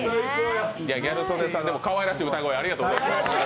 ギャル曽根さん、かわいらしい歌声ありがとうございます。